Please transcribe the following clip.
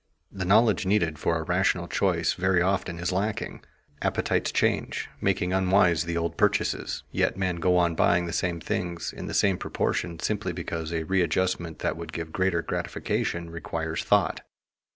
The knowledge needed for a rational choice very often is lacking. Appetites change, making unwise the old purchases, yet men go on buying the same things in the same proportions simply because a readjustment that would give greater gratification requires thought.